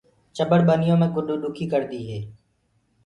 چٻڙ ٻنيو مي گُڏ ڏُکي ڪڙدي هي۔